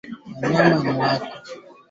Ugonjwa huu huwapata ngamia